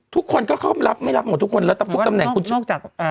ทุกคนก็เข้ามารับไม่รับของทุกคนแล้วทุกตำแหน่งนอกจากอ่า